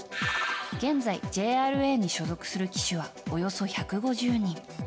現在、ＪＲＡに所属する騎手はおよそ１５０人。